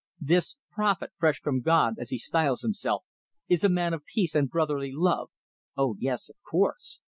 This 'prophet fresh from God,' as he styles himself, is a man of peace and brotherly love oh, yes, of course!